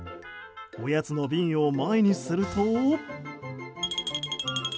おやつの瓶を前にすると。